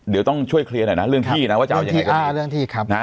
เดี๋ยวต้องช่วยเคลียร์หน่อยนะเรื่องที่นะว่าจะเอายังไง